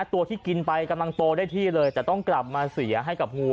ตัวที่กินไปกำลังโตได้ที่เลยแต่ต้องกลับมาเสียให้กับงู